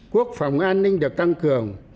quốc phòng an ninh được tăng trưởng